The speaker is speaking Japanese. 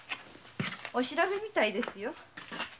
お調べみたいですよ。